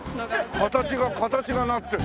形が形がなってる。